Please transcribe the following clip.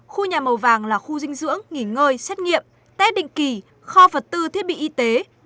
khu nhà màu vàng là khu dinh dưỡng nghỉ ngơi xét nghiệm test định kỳ kho vật tư thiết bị y tế